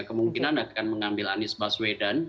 kemungkinan akan mengambil anies baswedan